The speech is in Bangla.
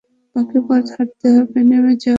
বাকি পথ হাটতে হবে, নেমে যাও।